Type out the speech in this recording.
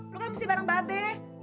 lu kan mesti bareng babe